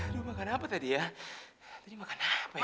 aduh makan apa tadi ya tadi makan apa ya